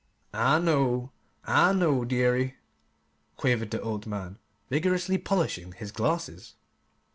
"I know I know, dearie," quavered the old man, vigorously polishing his glasses.